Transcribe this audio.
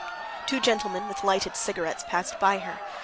Two gentlemen with lighted cigarettes passed by her.